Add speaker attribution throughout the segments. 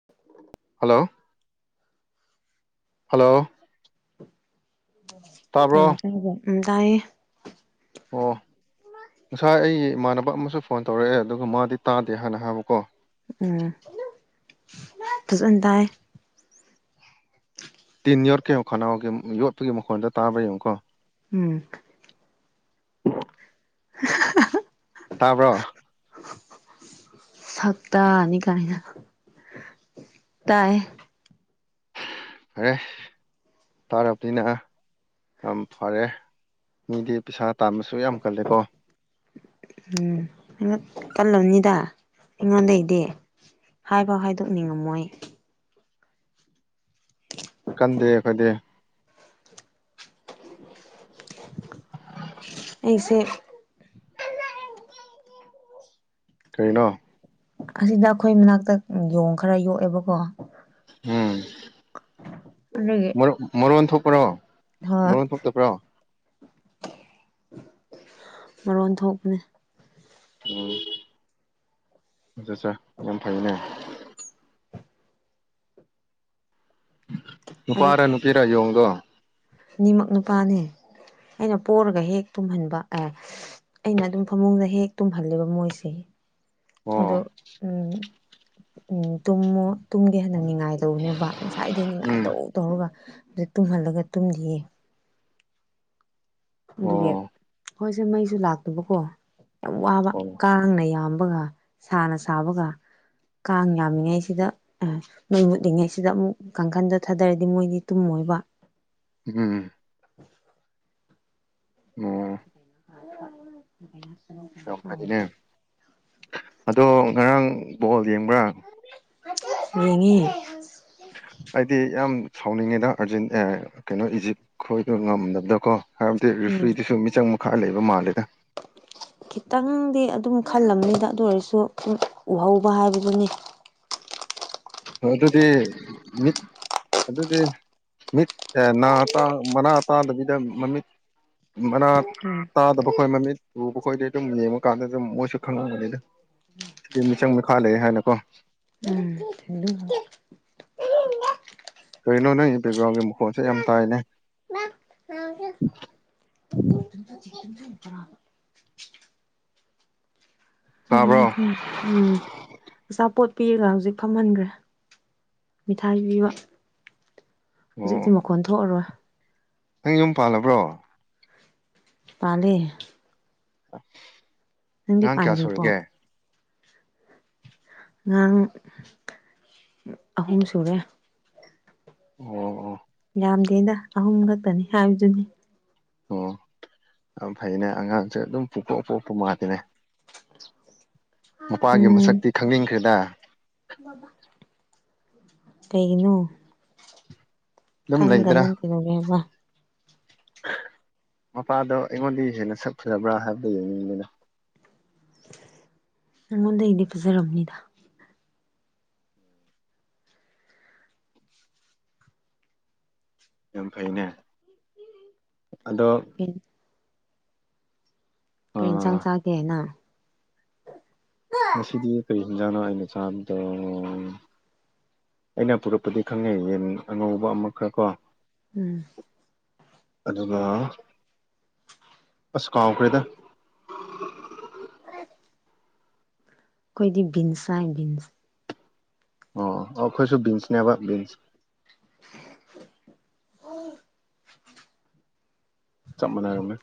Speaker 1: [inaudible]
Speaker 2: Hello hello
Speaker 1: ꯎꯝ ꯇꯥꯕ꯭ꯔꯣ ꯎꯝ ꯇꯥꯏꯌꯦ
Speaker 2: ꯑꯣ ꯉꯁꯥꯏ ꯑꯩ ꯏꯃꯥꯟꯅꯕ ꯑꯃꯁꯨ ꯐꯣꯟ ꯇꯧꯔꯛꯑꯦ ꯑꯗꯨꯒ ꯃꯥꯗꯤ ꯇꯥꯗꯦ ꯍꯥꯟꯅ ꯍꯥꯏꯕꯀꯣ
Speaker 1: ꯎꯝ ꯐꯖꯟ ꯇꯥꯏ
Speaker 2: ꯇꯤꯟ ꯌꯣꯠꯀꯦ ꯌꯦꯡꯉꯣ ꯈꯅꯥꯎꯒꯤ ꯌꯣꯠꯄꯒꯤ ꯃꯈꯣꯟꯗ ꯇꯥꯕ꯭ꯔꯥ ꯌꯦꯡꯉꯨꯀꯣ
Speaker 1: ꯎꯝ [unintelligible]
Speaker 2: ꯇꯥꯕ꯭ꯔꯣ
Speaker 1: ꯁꯛꯇꯥꯅꯤ ꯀꯥꯏꯅ ꯇꯥꯏ
Speaker 2: ꯐꯔꯦ ꯇꯥꯔꯞꯇꯤꯅ ꯌꯥꯝ ꯐꯔꯦ ꯃꯤꯗꯤ ꯄꯩꯁꯥ ꯇꯥꯟꯕꯁꯨ ꯌꯥꯝ ꯀꯜꯂꯤꯀꯣ
Speaker 1: ꯎꯝ ꯉꯛ ꯀꯜꯂꯝꯅꯤꯗ ꯑꯩꯉꯣꯟꯗꯩꯗꯤ ꯍꯥꯏꯕꯥꯎ ꯍꯥꯏꯗꯣꯛꯅꯤꯡꯉꯝꯃꯣꯏ [inaudible]
Speaker 2: ꯀꯟꯗꯦ ꯑꯈꯣꯏꯗꯤ
Speaker 1: ꯑꯩꯁꯦ
Speaker 2: ꯀꯩꯅꯣ
Speaker 1: ꯑꯁꯤꯗ ꯑꯩꯈꯣꯏ ꯃꯅꯥꯛꯇꯥ ꯎꯡ ꯌꯣꯡ ꯈꯔ ꯌꯣꯛꯑꯦꯕꯀꯣ
Speaker 2: ꯎꯝ
Speaker 1: ꯑꯗꯨꯒꯤ
Speaker 2: ꯃꯔꯣꯟ ꯃꯔꯣꯟ ꯊꯣꯛꯄ꯭ꯔꯣ
Speaker 1: ꯍꯣꯏ
Speaker 2: ꯃꯔꯣꯟ ꯊꯣꯛ ꯇꯥꯕ꯭ꯔꯣ
Speaker 1: ꯃꯔꯣꯟ ꯊꯣꯛꯄꯅꯤ
Speaker 2: ꯎꯝ ꯑꯆꯥ ꯆꯥ ꯌꯥꯝ ꯐꯩꯅꯦ
Speaker 1: ꯑꯗꯨ
Speaker 2: ꯅꯨꯄꯥꯔꯥ ꯅꯨꯄꯤꯔꯥ ꯌꯣꯡꯗꯣ
Speaker 1: ꯑꯅꯤꯃꯛ ꯅꯨꯄꯥꯅꯦ ꯑꯩꯅ ꯄꯣꯔꯒ ꯍꯦꯛ ꯇꯨꯝꯍꯟꯕ ꯑꯥ ꯑꯩꯅ ꯑꯗꯨꯝ ꯐꯃꯨꯡꯗ ꯍꯦꯛ ꯇꯨꯝꯍꯜꯂꯦꯕ ꯃꯣꯏꯁꯦ
Speaker 2: ꯑꯣ
Speaker 1: ꯑꯗꯣ ꯎꯝ ꯎꯝ ꯇꯨꯝꯃꯣ ꯇꯨꯝꯒꯦ ꯍꯥꯏꯅ ꯅꯤꯡꯉꯥꯏꯇꯧꯕꯅꯦꯕ ꯉꯁꯥꯏꯗꯩ ꯅꯤꯡꯉꯥꯏ
Speaker 2: ꯎꯝ
Speaker 1: ꯇꯧ ꯇꯧꯔꯒ ꯑꯗꯨ ꯇꯨꯝꯍꯜꯂꯒ ꯇꯨꯝꯗꯤꯌꯦ
Speaker 2: ꯑꯣ
Speaker 1: ꯑꯗꯨꯒꯤ ꯈꯣꯏꯁꯦ ꯃꯩꯁꯨ ꯂꯥꯛꯇꯕꯀꯣ ꯌꯥꯝ ꯋꯥꯕ
Speaker 2: ꯑꯣ
Speaker 1: ꯀꯥꯡꯅ ꯌꯥꯝꯕꯒ ꯁꯥꯅ ꯁꯥꯕꯒ ꯀꯥꯡ ꯌꯥꯝꯃꯤꯉꯩꯁꯤꯗ ꯑꯥ ꯃꯩ ꯃꯨꯠꯂꯤꯉꯩꯁꯤꯗ ꯑꯃꯨꯛ ꯀꯥꯡꯈꯟꯗꯣ ꯊꯥꯗꯔꯗꯤ ꯃꯣꯏꯗꯤ ꯇꯨꯝꯃꯣꯏꯕ
Speaker 2: ꯎꯝ ꯑꯣ ꯌꯥꯝ ꯐꯩꯅꯦ
Speaker 1: [unintelligible]
Speaker 2: ꯑꯗꯣ ꯉꯔꯥꯡ ꯕꯣꯜ ꯌꯦꯡꯕ꯭ꯔꯥ
Speaker 1: ꯌꯦꯡꯉꯦ
Speaker 2: ꯑꯩꯗꯤ ꯌꯥꯝ ꯁꯥꯎꯅꯤꯡꯉꯤꯗ ꯑꯔꯖꯦꯟ ꯀꯩꯅꯣ ꯏꯖꯤꯞ ꯈꯣꯏꯗꯣ ꯉꯝꯗꯕꯗꯨꯀꯣ ꯍꯥꯏꯕꯗꯤ
Speaker 1: ꯎꯝ
Speaker 2: ꯔꯦꯐ꯭ꯔꯤꯗꯨꯁꯨ ꯃꯤꯆꯪ ꯃꯤꯈꯥꯢ ꯂꯩꯕ ꯃꯥꯜꯂꯤꯗ
Speaker 1: ꯈꯤꯇꯪꯗꯤ ꯑꯗꯨꯝ ꯈꯜꯂꯝꯅꯤꯗ ꯑꯗꯨ ꯑꯣꯏꯔꯁꯨ ꯎꯍꯧꯕ ꯍꯥꯏꯕꯗꯨꯅꯤ
Speaker 2: ꯑꯗꯨꯗꯤ ꯃꯤꯠ ꯑꯗꯨꯗꯤ ꯃꯤꯠ ꯅꯥ ꯇꯥ ꯃꯅꯥ ꯇꯥꯗꯕꯤꯗ ꯃꯃꯤꯠ ꯃꯅꯥ ꯇꯥꯗꯕ ꯈꯣꯏ ꯃꯃꯤꯠ ꯎꯕ ꯈꯣꯏꯗꯤ ꯑꯗꯨꯝ ꯌꯦꯡꯕ ꯀꯥꯟꯗ ꯑꯗꯨꯝ ꯃꯣꯏꯁꯨ ꯈꯪꯉꯝꯒꯅꯤꯗ ꯁꯤꯗꯤ ꯃꯤꯆꯪ ꯃꯤꯈꯥ ꯂꯩ ꯍꯥꯏꯅꯀꯣ
Speaker 1: ꯎꯝ ꯑꯗꯨ
Speaker 2: ꯀꯔꯤꯅꯣ ꯅꯪ ꯕꯦꯛꯒ꯭ꯔꯥꯎꯟꯒꯤ ꯃꯈꯣꯟꯁꯦ ꯌꯥꯝ ꯇꯥꯏꯅꯦ
Speaker 1: [unintelligible] ꯑꯗꯨꯅꯦ
Speaker 2: ꯇꯥꯕ꯭ꯔꯣ
Speaker 1: ꯑꯩꯈꯣꯏ ꯎꯝ ꯑꯆꯥꯄꯣꯠ ꯄꯤꯔꯒ ꯍꯧꯖꯤꯛ ꯐꯝꯍꯟꯒ꯭ꯔꯦ ꯃꯤꯊꯥꯏ ꯄꯤꯕ ꯍꯧꯖꯤꯛꯇꯤ
Speaker 2: ꯑꯣ
Speaker 1: ꯃꯈꯣꯟ ꯊꯣꯛꯑꯔꯣꯏ
Speaker 2: ꯅꯪ ꯌꯨꯝ ꯄꯥꯜꯂꯕ꯭ꯔꯣ
Speaker 1: ꯄꯥꯜꯂꯦ
Speaker 2: [unintelligible]
Speaker 1: ꯅꯪꯗꯤ
Speaker 2: ꯑꯉꯥꯡ ꯀꯌꯥ
Speaker 1: ꯄꯥꯟꯗ꯭ꯔꯤꯕꯣ
Speaker 2: ꯁꯨꯔꯒꯦ
Speaker 1: ꯑꯉꯥꯡ ꯑꯍꯨꯝ ꯁꯨꯔꯦ
Speaker 2: ꯑꯣ ꯑꯣ
Speaker 1: ꯌꯥꯝꯗꯦꯗ ꯑꯍꯨꯝ ꯈꯛꯇꯅꯤ ꯍꯥꯏꯕꯗꯨꯅꯤ
Speaker 2: ꯑꯣ ꯌꯥꯝ ꯐꯩꯅꯦ ꯑꯉꯥꯡꯁꯦ ꯑꯗꯨꯝ ꯄꯨꯡ ꯄꯣꯛ ꯄꯣꯛꯄ ꯃꯥꯂꯤꯅꯦ ꯃꯄꯥꯒꯤ ꯃꯁꯛꯇꯤ ꯈꯪꯅꯤꯡꯈ꯭ꯔꯦꯗ
Speaker 1: ꯕꯕꯥ ꯀꯩꯩꯒꯤꯅꯣ
Speaker 2: ꯑꯗꯨꯝ ꯂꯩꯗ꯭ꯔꯥ
Speaker 1: ꯅꯪ ꯀꯩꯗꯧꯔꯦꯕ
Speaker 2: ꯃꯄꯥꯗꯣ ꯑꯩꯉꯣꯟꯗꯩ ꯍꯦꯟꯅ ꯁꯛ ꯐꯖꯕ꯭ꯔꯥ ꯍꯥꯏꯕꯗꯨ ꯌꯦꯡꯅꯤꯡꯕꯅꯤꯗ
Speaker 1: ꯅꯪꯉꯣꯟꯗꯩꯗꯤ ꯐꯖꯔꯝꯅꯤꯗ
Speaker 2: ꯌꯥꯝ ꯐꯩꯩꯅꯦ ꯑꯗꯣ
Speaker 1: [unintelligible] ꯀꯔꯤ ꯏꯟꯁꯥꯡ ꯆꯥꯒꯦ ꯅꯪ
Speaker 2: ꯉꯁꯤꯗꯤ ꯀꯔꯤ ꯍꯤꯟꯖꯥꯡꯅꯣ ꯑꯩꯅ ꯆꯥꯕꯗꯣ ꯑꯩꯅ ꯄꯨꯔꯛꯄꯗꯤ ꯈꯪꯉꯦ ꯌꯦꯟ ꯑꯉꯧꯕ ꯑꯃꯈ ꯀꯣ
Speaker 1: ꯎꯝ
Speaker 2: ꯑꯗꯨ ꯑꯁ ꯀꯥꯥꯎꯈꯔ꯭ꯦꯗꯥ
Speaker 1: ꯑꯈꯣꯏꯗꯤ ꯕꯤꯟꯁ ꯍꯥꯏ ꯕꯤꯟꯁ
Speaker 2: ꯑꯣ ꯑꯣ ꯑꯈꯣꯏꯁꯨ ꯕꯤꯟꯁꯅꯦꯕ ꯕꯤꯟꯁ
Speaker 1: [unintelligible]
Speaker 2: ꯆꯞ ꯃꯥꯟꯅꯔꯝꯃꯦ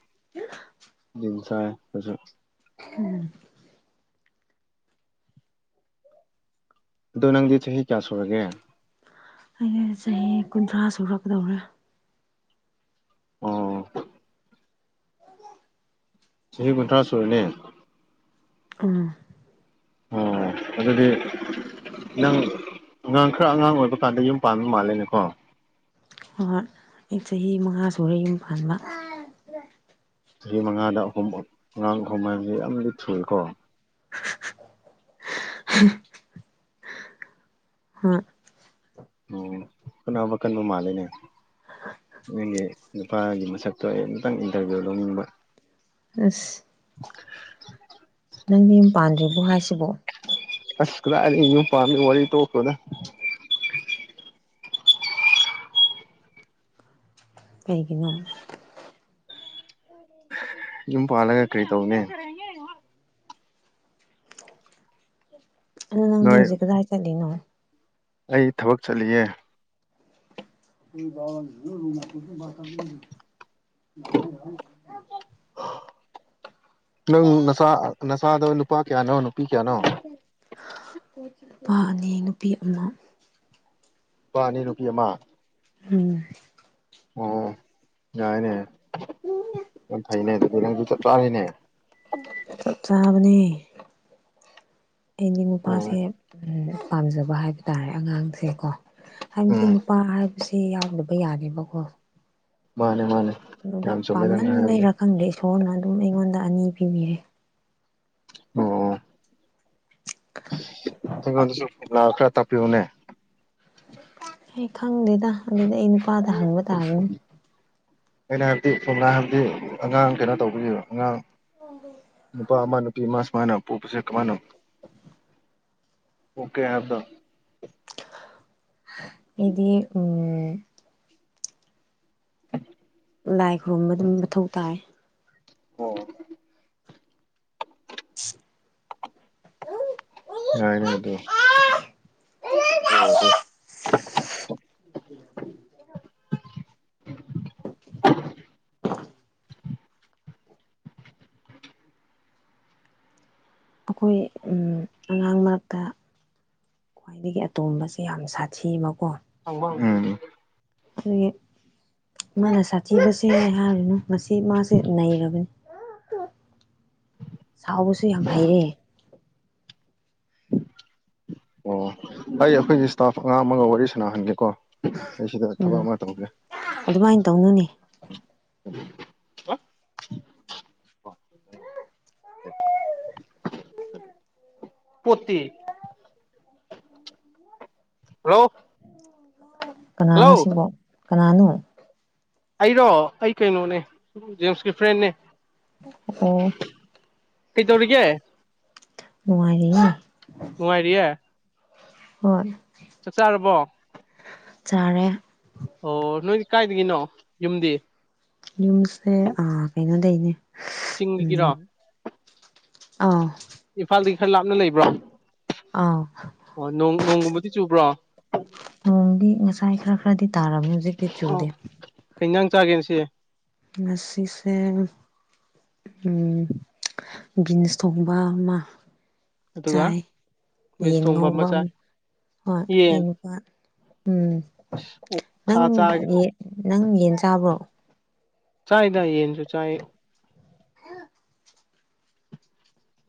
Speaker 2: ꯕꯤꯟꯁ ꯆꯥꯏ ꯑꯈꯣꯏꯁꯨ
Speaker 1: ꯎꯝ
Speaker 2: ꯑꯗꯣ ꯅꯪꯗꯤ ꯆꯍꯤ ꯀꯌꯥ ꯁꯨꯔꯒꯦ
Speaker 1: ꯑꯩꯅꯦ ꯆꯍꯤ ꯀꯨꯟꯊ꯭ꯔꯥ ꯁꯨꯔꯛꯀꯗꯧꯔꯦ
Speaker 2: ꯑꯣ
Speaker 1: [inaudible]
Speaker 2: ꯆꯍꯤ ꯀꯨꯟꯊ꯭ꯔꯥ ꯁꯨꯔꯅꯤ
Speaker 1: ꯎꯝ
Speaker 2: ꯑꯣ ꯑꯗꯨꯗꯤ ꯅꯪ ꯑꯥꯡ ꯈꯔ ꯑꯉꯥꯡ ꯑꯣꯏꯕ ꯀꯥꯟꯗ ꯌꯨꯝ ꯄꯥꯟꯕ ꯃꯥꯜꯂꯦꯅꯦꯀꯣ
Speaker 1: ꯍꯣ ꯍꯣꯏ ꯑꯩ ꯆꯍꯤ ꯃꯉꯥ ꯁꯨꯔꯦ ꯌꯨꯝ ꯄꯥꯟꯕ
Speaker 2: ꯆꯍꯤ ꯃꯉꯥꯗ ꯑꯍꯨꯝ ꯑꯉꯥꯡ ꯑꯍꯨꯝ ꯍꯥꯏꯕꯗꯤ ꯌꯥꯝꯗꯤ ꯊꯨꯏꯀꯣ
Speaker 1: [inaudible] ꯍꯥ
Speaker 2: ꯎꯝ ꯍꯣꯠꯅꯕꯥ ꯀꯟꯕ ꯃꯥꯜꯂꯦꯅꯦ ꯅꯣꯏꯒꯤ ꯅꯨꯄꯥꯒꯤ ꯃꯁꯛꯇꯣ ꯑꯩ ꯑꯃꯨꯇꯪ ꯏꯟꯇꯔꯚꯤꯌꯨ ꯂꯧꯅꯤꯡꯕ
Speaker 1: ꯑꯁ ꯅꯪꯗꯤ ꯌꯨꯝ ꯄꯥꯟꯗ꯭ꯔꯤꯕꯣ ꯍꯥꯏꯁꯤꯕꯣ
Speaker 2: ꯑꯁ ꯀꯗꯥꯗꯒꯤ ꯌꯨꯝ ꯄꯥꯟꯕꯒꯤ ꯋꯥꯔꯤ ꯇꯣꯛꯈꯣꯗ
Speaker 1: ꯀꯩꯒꯤꯅꯣ
Speaker 2: ꯌꯨꯝ ꯄꯥꯜꯂꯒ ꯀꯩ ꯇꯧꯅꯦ
Speaker 1: ꯑꯗꯣ ꯅꯪꯗꯤ
Speaker 2: ꯅꯣꯏ
Speaker 1: ꯍꯧꯖꯤꯛ ꯀꯗꯥꯏ ꯆꯠꯂꯤꯅꯣ
Speaker 2: ꯑꯩ ꯊꯕꯛ ꯆꯠꯂꯤꯌꯦ
Speaker 1: [unintelligible]
Speaker 2: ꯅꯪ ꯅꯆꯥ ꯅꯆꯥꯗꯣ ꯅꯨꯄꯥ ꯀꯌꯥꯅꯣ ꯅꯨꯄꯤ ꯀꯌꯥꯅꯣ
Speaker 1: ꯅꯨꯄꯥ ꯑꯅꯤ ꯅꯨꯄꯤ ꯑꯃ
Speaker 2: ꯅꯨꯄꯥ ꯑꯅꯤ ꯅꯨꯄꯤ ꯑꯃ
Speaker 1: ꯎꯝ
Speaker 2: ꯑꯣ ꯌꯥꯏꯅꯦ ꯌꯥꯝ ꯐꯩꯅꯦ ꯑꯗꯨꯗꯤ ꯅꯪꯁꯨ ꯆꯞ ꯆꯥꯔꯦꯅꯦ
Speaker 1: ꯆꯞ ꯆꯥꯕꯅꯦ ꯑꯩꯗꯤ ꯅꯨꯄꯥꯁꯦ
Speaker 2: ꯑꯣ
Speaker 1: ꯄꯥꯝꯖꯕ ꯍꯥꯏꯕ ꯇꯥꯔꯦ ꯑꯉꯥꯡꯁꯦꯀꯣ ꯍꯥꯏꯕꯗꯤ
Speaker 2: ꯎꯝ
Speaker 1: ꯅꯨꯄꯥ ꯍꯥꯏ ꯁꯤ ꯌꯥꯎꯗꯕ ꯌꯥꯗꯦꯕꯀꯣ
Speaker 2: ꯃꯥꯅꯦ ꯃꯥꯅꯦ
Speaker 1: ꯑꯗꯨꯗ
Speaker 2: ꯌꯥꯝ ꯆꯨꯝꯃꯦ ꯅꯪꯅ ꯍꯥꯏꯕꯗꯣ
Speaker 1: ꯄꯥꯥꯝꯃꯟꯕꯩꯔꯥ ꯈꯪꯗꯦ ꯏꯁꯣꯔꯅ ꯑꯗꯨꯝ ꯑꯩꯉꯣꯟꯗ ꯑꯅꯤ ꯄꯤꯕꯤꯔꯦ
Speaker 2: ꯑꯣ ꯑꯩꯉꯣꯟꯗꯁꯨ ꯐꯣꯝꯂꯥ ꯈꯔ ꯇꯥꯛꯄꯤꯌꯨꯅꯦ
Speaker 1: ꯑꯩ ꯈꯪꯗꯦꯗ ꯑꯗꯨꯗꯤ ꯑꯩ ꯅꯨꯄꯥꯗ ꯍꯪꯕ ꯇꯥꯔꯅꯤ
Speaker 2: ꯑꯩꯅ ꯍꯥꯏꯕꯗꯤ ꯁꯣꯝꯅ ꯍꯥꯏꯕꯗꯤ ꯑꯉꯥꯡ ꯀꯩꯅꯣ ꯇꯧꯕꯤꯕ ꯑꯉꯥꯡ ꯅꯨꯄꯥ ꯑꯃ ꯅꯨꯄꯤ ꯑꯃ ꯁꯨꯃꯥꯏꯅ ꯄꯣꯛꯄꯁꯦ ꯀꯝꯃꯥꯅ ꯑꯣꯀꯦ ꯍꯥꯏꯕꯗꯣ
Speaker 1: ꯑꯧꯗꯤ ꯎꯝ ꯂꯥꯏ ꯈꯨꯔꯨꯝꯕ ꯑꯗꯨꯝ ꯃꯊꯧ ꯇꯥꯏ
Speaker 2: ꯑꯣ ꯌꯥꯏꯅꯦ ꯑꯗꯣ
Speaker 1: [inaudible] ꯑꯩꯈꯣꯏ ꯎꯝ ꯑꯉꯥꯡ ꯃꯔꯛꯇ ꯈ꯭ꯋꯥꯏꯗꯒꯤ ꯑꯇꯣꯝꯕꯁꯦ ꯌꯥꯝ ꯁꯥꯊꯤꯕꯀꯣ
Speaker 2: ꯎꯝ
Speaker 1: ꯑꯗꯨꯒꯤ ꯃꯥꯅ ꯁꯥꯊꯤꯕꯁꯦ ꯍꯥꯏꯔꯨꯅꯨ ꯃꯁꯤ ꯃꯥꯁꯦ ꯅꯩꯔꯕꯅꯤ ꯁꯥꯎꯕꯁꯨ ꯌꯥꯝ ꯍꯩꯔꯦ
Speaker 2: ꯑꯣ ꯑꯩ ꯑꯩꯈꯣꯏꯒꯤ ꯏꯁꯇꯥꯐ ꯑꯉꯥꯡ ꯑꯃꯒ ꯋꯥꯔꯤ ꯁꯥꯟꯅꯍꯟꯒꯦꯀꯣ ꯑꯩ ꯁꯤꯗ ꯊꯕꯛ
Speaker 1: ꯎꯝ
Speaker 2: ꯑꯃ ꯇꯧꯒꯦ꯫
Speaker 1: ꯑꯗꯨꯃꯥꯏꯅ ꯇꯧꯅꯨꯅꯦ꯫
Speaker 2: ꯄꯣꯠꯇꯤ? ꯍꯂꯣ?
Speaker 1: ꯀꯅꯥꯅꯣ ꯁꯤꯕꯣ? ꯀꯅꯥꯅꯣ?
Speaker 2: ꯑꯩꯔꯣ? ꯑꯩ ꯀꯩꯅꯣꯅꯦ, ꯖꯦꯝꯁꯀꯤ ꯐ꯭ꯔꯦꯟꯅꯦ꯫
Speaker 1: ꯑꯣ꯫
Speaker 2: ꯀꯩꯗꯧꯔꯤꯒꯦ
Speaker 1: ꯅꯨꯡꯉꯥꯔꯤꯌꯦ꯫
Speaker 2: ꯅꯨꯡꯉꯥꯏꯔꯤꯌꯦ
Speaker 1: ꯍꯣꯏ꯫
Speaker 2: ꯆꯥꯛ ꯆꯥꯔꯕꯣ?
Speaker 1: ꯆꯥꯔꯦ꯫
Speaker 2: ꯑꯣ ꯅꯣꯏꯗꯤ ꯀꯥꯏꯗꯒꯤꯅꯣ ꯌꯨꯝꯗꯤ?
Speaker 1: ꯌꯨꯝꯁꯦ.. ꯑꯥ ꯀꯩꯅꯣꯗꯩꯅꯦ ꯎꯝ
Speaker 2: ꯆꯤꯡꯗꯒꯤꯔꯣ
Speaker 1: ꯑꯧ
Speaker 2: ꯏꯝꯐꯥꯜꯗꯒꯤ ꯈꯔ ꯂꯥꯞꯅ ꯂꯩꯕ꯭ꯔꯣ?
Speaker 1: ꯑꯥꯎ
Speaker 2: ꯑꯣ ꯅꯣꯡ ꯅꯣꯡꯒꯨꯝꯕꯗꯤ ꯆꯨꯕ꯭ꯔꯣ?
Speaker 1: ꯅꯣꯡꯗꯤ ꯉꯁꯥꯏ ꯈꯔ ꯈꯔꯗꯤ ꯇꯥꯔꯝꯃꯦ ꯍꯧꯖꯤꯛꯇꯤ ꯆꯨꯗꯦ꯫
Speaker 2: ꯀꯩꯩ ꯏꯟꯖꯥꯡ ꯆꯥꯒꯦ ꯉꯁꯤ?
Speaker 1: ꯉꯁꯤꯁꯦ ꯎꯝ ꯕꯤꯟꯁ ꯊꯣꯡꯕ ꯑꯃ꯫
Speaker 2: ꯑꯗꯨꯒ
Speaker 1: ꯆꯥꯏ
Speaker 2: ꯃꯤꯁ
Speaker 1: ꯌꯦꯟ
Speaker 2: ꯊꯣꯡꯕ ꯑꯃ
Speaker 1: ꯉꯧꯕ ꯑꯝ
Speaker 2: ꯆꯥꯏ
Speaker 1: ꯍꯣꯏ
Speaker 2: ꯌꯦꯟ
Speaker 1: ꯑꯩ ꯍꯣꯏ ꯎꯝ꯫
Speaker 2: ꯑꯣꯛꯁꯥ
Speaker 1: ꯅꯪ
Speaker 2: ꯆꯥꯏ
Speaker 1: ꯀꯔꯤ ꯅꯪ ꯌꯦꯟ ꯆꯥꯕ꯭ꯔꯣ?
Speaker 2: ꯆꯥꯏꯗ ꯌꯦꯟꯁꯨ ꯆꯥꯏ꯫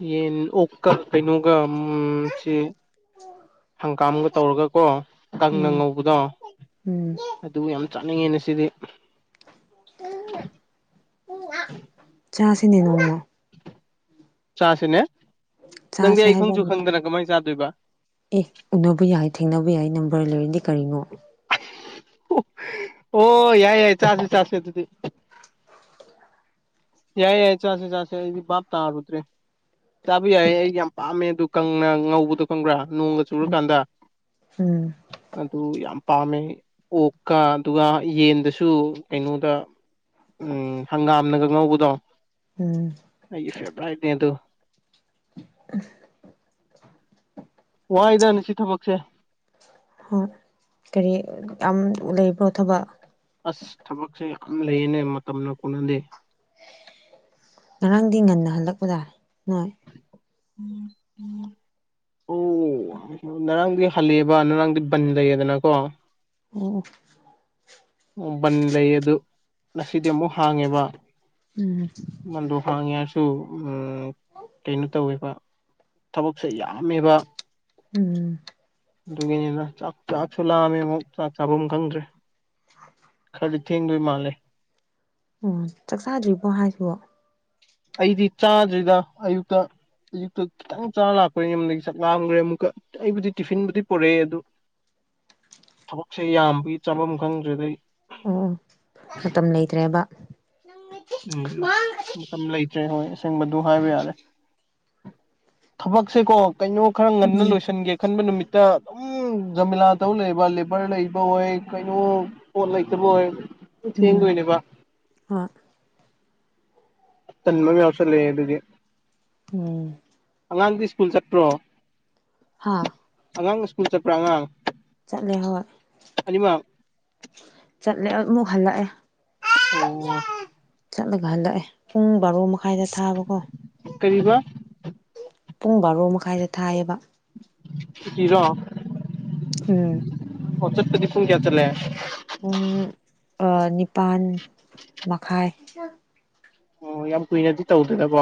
Speaker 2: ꯌꯦꯟ ꯑꯣꯛꯀ ꯀꯩꯅꯣꯒ ꯑꯝ ꯁꯤ ꯍꯪꯒꯥꯥꯝꯒ ꯇꯧꯔꯒ ꯀꯣ ꯀꯪꯅ
Speaker 1: ꯎꯝ
Speaker 2: ꯉꯧꯕꯗꯣ
Speaker 1: ꯎꯝ
Speaker 2: ꯑꯗꯨ ꯌꯥꯝ ꯆꯥꯅꯤꯡꯉꯦ ꯅꯁꯤꯗꯤ꯫
Speaker 1: [unintelligible] ꯆꯥꯁꯤꯅꯦ ꯅꯣꯡꯃ꯫
Speaker 2: ꯆꯥꯁꯤꯅꯦ? ꯅꯪꯗꯤ
Speaker 1: ꯆꯥꯁꯦ
Speaker 2: ꯑꯩ ꯈꯪꯁꯨ
Speaker 1: ꯍꯥꯏꯕꯅꯤ
Speaker 2: ꯈꯪꯗꯅ ꯀꯃꯥꯏꯅ ꯆꯥꯗꯣꯏꯕ?
Speaker 1: ꯑꯦ ꯎꯅꯕ ꯌꯥꯏ ꯊꯦꯡꯅꯕ ꯌꯥꯏ ꯅꯝꯕꯔ ꯂꯩꯔꯗꯤ ꯀꯔꯤꯅꯣ꯫
Speaker 2: [unintelligible] ꯑꯣ ꯌꯥꯏ ꯌꯥꯏ ꯆꯥꯁꯦ ꯆꯥꯁꯦ ꯑꯗꯨꯗꯤ꯫ ꯌꯥꯏ ꯌꯥꯏ ꯆꯥꯁꯦ ꯆꯥꯁꯦ ꯑꯗꯨꯗꯤ ꯕꯥꯞ ꯇꯥꯔꯨꯗ꯭ꯔꯦ꯫ ꯆꯥꯕ ꯌꯥꯏꯌꯦ ꯑꯩ ꯌꯥꯝ ꯄꯥꯝꯃꯦ ꯑꯗꯨ ꯀꯪꯅ ꯉꯧꯕꯗꯣ ꯈꯪꯕ꯭ꯔꯥ ꯅꯣꯡꯒ
Speaker 1: ꯎꯝ
Speaker 2: ꯆꯨꯔꯀꯥꯟꯗ꯫
Speaker 1: ꯎꯝ
Speaker 2: ꯑꯗꯨ ꯌꯥꯝ ꯄꯥꯝꯃꯦ ꯑꯩ ꯑꯣꯛꯀ ꯗꯨꯒ ꯌꯦꯟꯗꯁꯨ ꯀꯩꯅꯣꯗ ꯎꯝ ꯍꯪꯒꯥꯝꯅꯒ ꯉꯧꯕꯗꯣ꯫
Speaker 1: ꯎꯝ
Speaker 2: ꯑꯩꯒꯤ ꯐꯦꯚ꯭ꯔꯥꯏꯠꯅꯦ ꯑꯗꯨ꯫
Speaker 1: [unintelligible]
Speaker 2: ꯋꯥꯏꯗ ꯉꯁꯤ ꯊꯕꯛꯁꯦ꯫
Speaker 1: ꯍꯣꯏ꯫ ꯀꯔꯤ ꯌꯥꯝ ꯂꯩꯕ꯭ꯔꯣ ꯊꯕꯛ?
Speaker 2: ꯑꯁ ꯊꯕꯛꯁꯦ ꯌꯥꯝ ꯂꯩꯌꯦꯅꯦ ꯃꯇꯝꯅ ꯀꯣꯅꯗꯦ꯫
Speaker 1: ꯉꯔꯥꯡꯗꯤ ꯉꯟꯅ ꯍꯜꯂꯛꯄꯗꯥꯏ ꯅꯣꯏ?
Speaker 2: [unintelligible] [unintelligible] ꯅꯔꯥꯡꯗꯤ ꯍꯜꯂꯛꯑꯦꯕ ꯅꯔꯥꯡꯗꯤ ꯕꯟ ꯂꯩꯌꯦꯗꯅꯀꯣ꯫
Speaker 1: ꯑꯣ ꯑꯣ
Speaker 2: ꯎꯝ ꯕꯟ ꯂꯩ ꯑꯗꯨ ꯉꯁꯤꯗꯤ ꯑꯃꯨꯛ ꯍꯥꯡꯉꯦꯕ꯫
Speaker 1: ꯎꯝ
Speaker 2: ꯕꯟꯗꯣ ꯍꯥꯡꯉꯦ ꯍꯥꯏꯔꯁꯨ ꯎꯝ ꯀꯩꯅꯣ ꯇꯧꯋꯦꯕ ꯊꯕꯛꯁꯦ ꯌꯥꯝꯃꯦꯕ꯫
Speaker 1: ꯎꯝ
Speaker 2: ꯗꯨꯒꯤꯅꯤꯗꯥ ꯆꯥꯛ ꯆꯥꯛꯁꯨ ꯂꯥꯝꯃꯦ ꯑꯃꯨꯛ ꯆꯥꯛ ꯆꯥꯕꯝ ꯈꯪꯗ꯭ꯔꯦ꯫ ꯈꯔꯗꯤ ꯊꯦꯡꯗꯣꯏ ꯃꯥꯜꯂꯦ꯫
Speaker 1: ꯑꯣ ꯆꯥꯛ ꯆꯥꯗ꯭ꯔꯤꯕꯣ ꯍꯥꯏꯁꯤꯕꯣ꯫
Speaker 2: ꯑꯩꯗꯤ ꯆꯥꯗ꯭ꯔꯤꯗꯥ ꯑꯌꯨꯛꯇ ꯑꯌꯨꯛꯇ ꯈꯤꯇꯪ ꯆꯥꯔ ꯂꯥꯛꯄ ꯌꯨꯝꯗꯒꯤ ꯆꯥꯛ ꯂꯥꯝꯒꯔ꯭ꯦ ꯑꯃꯨꯛꯀ꯫ ꯑꯩꯕꯨꯗꯤ ꯇꯤꯐꯤꯟꯕꯨꯗꯤ ꯄꯨꯔꯛꯑꯦ ꯑꯗꯨ ꯊꯕꯛꯁꯦ ꯌꯥꯝꯕꯒꯤ ꯆꯥꯐꯝ ꯈꯪꯗ꯭ꯔꯦꯗ ꯑꯩ꯫
Speaker 1: ꯑꯣ ꯃꯇꯝ ꯂꯩꯇ꯭ꯔꯦꯕ꯫
Speaker 2: ꯎꯝ ꯃꯇꯝ ꯂꯩꯇ꯭ꯔꯦ ꯍꯣꯏ ꯑꯁꯦꯡꯕꯗꯨ ꯍꯥꯏꯕ ꯌꯥꯔꯦ꯫ ꯊꯕꯛꯁꯦꯀꯣ ꯀꯩꯅꯣ ꯈꯔ ꯉꯟꯅ
Speaker 1: ꯎꯝ
Speaker 2: ꯂꯣꯏꯁꯤꯟꯒꯦ ꯈꯟꯕ ꯅꯨꯃꯤꯠꯇ ꯑꯗꯨꯝ꯫ ꯎꯝ ꯖꯃꯤꯂꯥꯗꯧ ꯂꯩꯕ ꯂꯦꯕꯔ ꯂꯩꯕ ꯑꯣꯏ ꯀꯩꯅꯣ ꯄꯣꯠ ꯂꯩꯇꯕ ꯑꯣꯏ꯫ ꯗꯨꯝ
Speaker 1: ꯎꯝ
Speaker 2: ꯊꯦꯡꯗꯣꯏꯅꯦꯕ꯫
Speaker 1: ꯍꯣꯏ
Speaker 2: ꯇꯟꯕ ꯑꯝ ꯌꯥꯎꯁꯤꯜꯂꯛꯑꯦ ꯗꯨꯒꯤ
Speaker 1: ꯎꯝ
Speaker 2: ꯑꯉꯥꯡꯗꯤ ꯁ꯭ꯀꯨꯜ ꯆꯠꯄ꯭ꯔꯣ꯫
Speaker 1: ꯍꯥ
Speaker 2: ꯑꯉꯥꯡ ꯁ꯭ꯀꯨꯜ ꯆꯠꯄ꯭ꯔ ꯑꯉꯥꯡ
Speaker 1: ꯆꯠꯂꯦ ꯍꯣꯏ
Speaker 2: ꯑꯅꯤꯃꯛ
Speaker 1: ꯆꯠꯂꯦ ꯑꯃꯨꯛ ꯍꯜꯂꯛꯑꯦ꯫
Speaker 2: ꯑꯣ
Speaker 1: ꯆꯠꯂꯒ ꯍꯜꯂꯛꯑꯦ ꯄꯨꯡ ꯕꯥꯔꯣ ꯃꯈꯥꯏꯗ ꯊꯥꯕꯀꯣ꯫
Speaker 2: ꯀꯔꯤꯕꯥ ꯫
Speaker 1: ꯄꯨꯡ ꯕꯥꯔꯣ ꯃꯈꯥꯏꯗ ꯊꯥꯏꯌꯦꯕ꯫
Speaker 2: ꯁꯨꯇꯤꯔꯣ꯫
Speaker 1: ꯎꯝ
Speaker 2: ꯑꯣ ꯆꯠꯄꯗꯤ ꯄꯨꯡ ꯀꯌꯥ ꯆꯠꯂꯦ꯫
Speaker 1: ꯄꯨꯡ ꯑꯥ ꯅꯤꯄꯥꯟ ꯃꯈꯥꯏ꯫
Speaker 2: ꯑꯣ ꯌꯥꯝ ꯀꯨꯏꯅꯗꯤ ꯇꯧꯗꯦꯅꯕꯣ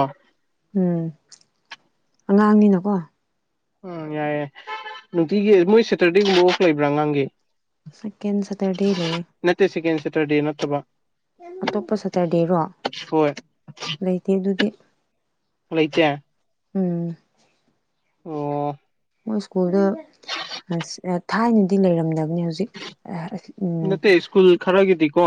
Speaker 1: ꯎꯝ ꯑꯉꯥꯡꯅꯤꯅꯀꯣ
Speaker 2: ꯎꯝ ꯌꯥꯏ ꯌꯥꯏ ꯅꯨꯡꯇꯤꯒꯤ ꯃꯣꯏ ꯁꯦꯇꯔꯗꯦ ꯒꯨꯝꯕ ꯑꯣꯐ ꯂꯩꯕ꯭ꯔꯥ ꯑꯉꯥꯡꯒꯤ꯫
Speaker 1: ꯁꯦꯀꯦꯟ ꯁꯇꯔꯗꯦ ꯂꯩꯌꯦ꯫
Speaker 2: ꯅꯠꯇꯦ ꯁꯦꯀꯦꯟ ꯁꯦꯇꯔꯗꯦ ꯅꯠꯇꯕ꯫
Speaker 1: ꯑꯇꯣꯞꯄ ꯁꯇꯔꯗꯦꯔꯣ
Speaker 2: ꯍꯣꯏ
Speaker 1: ꯂꯩꯇꯦ ꯗꯨꯗꯤ꯫
Speaker 2: ꯑꯣꯂꯩꯇꯦ
Speaker 1: ꯎꯝ
Speaker 2: ꯑꯣ
Speaker 1: ꯃꯣꯏ ꯁ꯭ꯀꯨꯜꯗꯣ ꯑꯁ ꯑ ꯊꯥꯏꯅꯗꯤ ꯂꯩꯔꯝꯗꯕꯅꯦ ꯍꯧꯖꯤꯛ ꯑ
Speaker 2: ꯅꯠꯇꯦ ꯁ꯭ꯀꯨꯜ ꯈꯔꯒꯤꯗꯤꯀꯣ꯫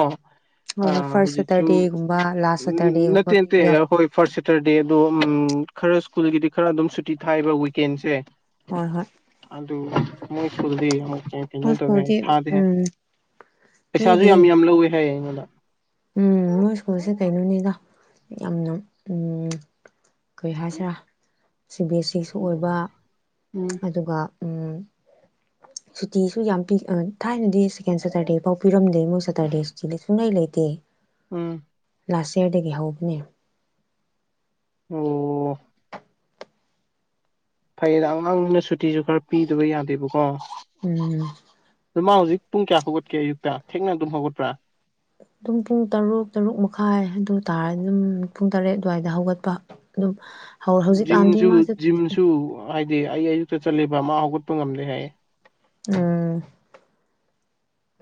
Speaker 2: ꯑ
Speaker 1: ꯍꯣꯏ ꯍꯣꯏ ꯐꯥꯔꯁ
Speaker 2: ꯍꯨꯖꯤꯛꯁꯨ
Speaker 1: ꯁꯦꯇꯔꯗꯦꯒꯨꯝꯕ ꯂꯥꯁ
Speaker 2: ꯎꯝ
Speaker 1: ꯁꯦꯇꯔꯗꯦꯒꯨꯝꯕ
Speaker 2: ꯅꯠꯇꯦ ꯅꯠꯇꯦ
Speaker 1: ꯄꯤꯕꯗꯣ
Speaker 2: ꯑ ꯍꯣꯏ ꯐꯥꯔꯁ ꯁꯦꯇꯔꯗꯦ ꯑꯗꯣ ꯎꯝ ꯈꯔ ꯁ꯭ꯀꯨꯜꯒꯤꯗꯤ ꯈꯔ ꯑꯗꯨꯝ ꯁꯨꯇꯤ ꯊꯥꯏꯕ ꯋꯤꯀꯦꯟꯁꯦ꯫
Speaker 1: ꯍꯣꯏ ꯍꯣꯏ
Speaker 2: ꯑꯗꯨ ꯃꯣꯏ ꯁꯀꯨꯜꯗꯤ ꯑꯃꯨꯛ ꯀꯩꯅꯣ
Speaker 1: ꯃꯣꯏ
Speaker 2: ꯇꯧꯋꯦ ꯍꯥꯏ
Speaker 1: ꯁ꯭ꯀꯨꯜꯗꯤ
Speaker 2: ꯊꯥꯗꯦꯍꯥꯏ ꯫
Speaker 1: ꯎꯝ
Speaker 2: ꯄꯩꯁꯥꯁꯨ
Speaker 1: ꯄꯤꯗꯤ
Speaker 2: ꯌꯥꯝ ꯌꯥꯝ ꯂꯧꯋꯦ ꯍꯥꯏꯌꯦ ꯑꯩꯉꯣꯟꯗ꯫
Speaker 1: ꯎꯝ ꯃꯣꯏ ꯁ꯭ꯀꯨꯜꯁꯦ ꯀꯩꯅꯣꯅꯤꯗ ꯌꯥꯝꯅ ꯎꯝ ꯀꯩ ꯍꯥꯏꯁꯤꯔꯥ ꯁꯤ ꯕꯤ ꯑꯦꯁ ꯁꯤꯁꯨ ꯑꯣꯏꯕ
Speaker 2: ꯎꯝ
Speaker 1: ꯑꯗꯨꯒꯥ ꯎꯝ ꯁꯨꯇꯤꯁꯨ ꯌꯥꯝ ꯄꯤ ꯎꯝ ꯑꯥ ꯊꯥꯏꯅꯗꯤ ꯁꯦꯀꯦꯟ ꯁꯦꯇꯔꯗꯦ ꯐꯥꯎ ꯄꯤꯔꯝꯗꯦ ꯃꯣꯏ ꯁꯦꯇꯔꯗꯦ ꯁꯤꯗ ꯁꯨꯡꯉꯩ ꯂꯩꯇꯦ
Speaker 2: ꯎꯝ
Speaker 1: ꯂꯥꯁ ꯏꯌꯔꯗꯥꯒꯤ ꯍꯧꯕꯅꯦ
Speaker 2: ꯑꯣ ꯐꯩꯌꯦꯗ ꯑꯉꯥꯡꯅꯦꯅ ꯁꯨꯇꯤꯁꯨ ꯈꯔ ꯄꯤꯗꯕ ꯌꯥꯗꯦꯕꯀꯣ
Speaker 1: ꯎꯝ
Speaker 2: ꯑꯗꯨꯃꯥ ꯍꯧꯖꯤꯛ ꯄꯨꯡ ꯀꯌꯥ ꯍꯧꯒꯠꯀꯦ ꯑꯌꯨꯛꯇꯥ ꯊꯦꯡꯅ ꯑꯗꯨꯝ ꯍꯧꯒꯠꯄ꯭ꯔꯥ
Speaker 1: ꯇꯨꯝ ꯄꯨꯡ ꯇꯔꯨꯛ ꯇꯔꯨꯛ ꯃꯈꯥꯏ ꯑꯗꯨꯇꯥꯥꯔꯗꯤ ꯑꯗꯨꯝ ꯄꯨꯡ ꯇꯔꯦꯠ ꯑꯗꯨꯋꯥꯏꯗ ꯍꯧꯒꯠꯄꯥ ꯑꯗꯨꯝ [inaudible]
Speaker 2: ꯖꯤꯝꯁꯨ
Speaker 1: ꯃꯥꯁꯦ
Speaker 2: ꯖꯤꯝꯁꯨ ꯍꯥꯏꯗꯤ ꯑꯩ ꯑꯌꯨꯛꯇꯥ ꯆꯠꯂꯤꯕ ꯃꯥ ꯍꯧꯒꯠꯄ ꯉꯝꯗꯦ ꯍꯥꯏꯌꯦ
Speaker 1: ꯎꯝ